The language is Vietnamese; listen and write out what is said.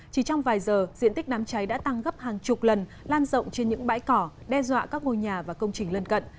chỉ trong vài giờ diện tích đám cháy đã tăng gấp hàng chục lần lan rộng trên những bãi cỏ đe dọa các ngôi nhà và công trình lân cận